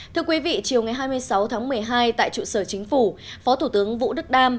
thưa quý vị chiều ngày hai mươi sáu tháng một mươi hai tại trụ sở chính phủ phó thủ tướng vũ đức đam